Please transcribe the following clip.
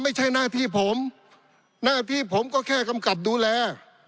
ไม่ใช่หน้าที่ผมหน้าที่ผมก็แค่กำกับดูแล